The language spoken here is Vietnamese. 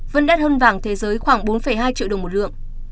vẫn đắt hơn vàng thế giới khoảng bốn hai triệu đồng một lượng